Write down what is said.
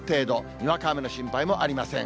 にわか雨の心配もありません。